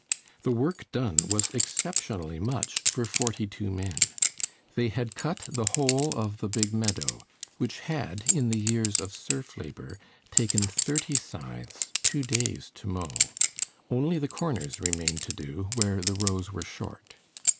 The work done was exceptionally much for forty two men. They had cut the whole of the big meadow, which had, in the years of serf labor, taken thirty scythes two days to mow. Only the corners remained to do, where the rows were short.